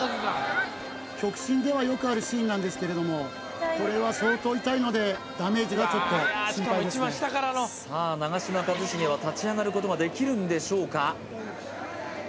極真ではよくあるシーンなんですけれどもこれは相当痛いのでダメージがちょっと心配ですねさあ長嶋一茂は立ち上がることができるんでしょうか？